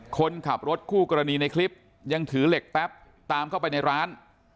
คนขับรถคู่กรณีในคลิปยังถือเหล็กแป๊บตามเข้าไปในร้าน